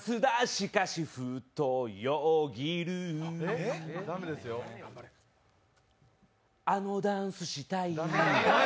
しかし、ふとよぎるあのダンスしたい。